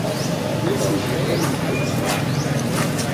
I asen-d-yeqqimen ḥala ssber.